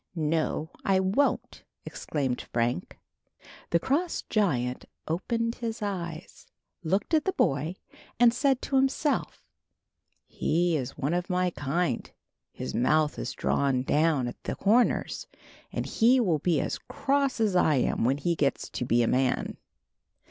"No, I won't," exclaimed Frank. The cross giant opened his eyes, looked at the boy and said to himself: "He is one of my kind. His mouth is drawn down at the corners, and he will be as cross as I am when he gets to be a man."